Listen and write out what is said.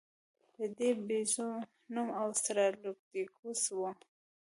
د دې بیزو نوم اوسترالوپیتکوس و.